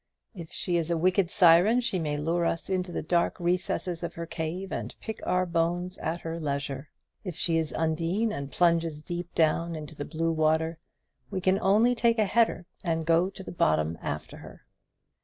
If she is a wicked siren, she may lure us into the dark recesses of her cave and pick our bones at her leisure. If she is Undine, and plunges deep down into the blue water, we can only take a header and go to the bottom after her.